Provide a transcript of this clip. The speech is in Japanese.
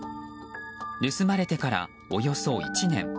盗まれてから、およそ１年。